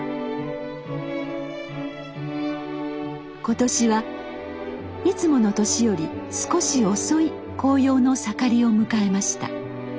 今年はいつもの年より少し遅い紅葉の盛りを迎えました。